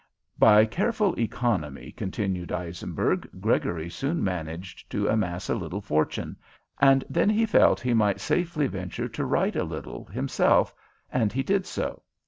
"By careful economy," continued Eisenberg, "Gregory soon managed to amass a little fortune, and then he felt he might safely venture to write a little himself, and he did so.